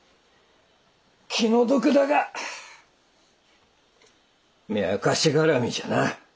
気の毒だが目明かしがらみじゃな。